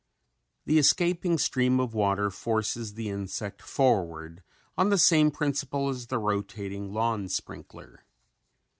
The escaping stream of water forces the insect forward on the same principle as the rotating lawn sprinkler.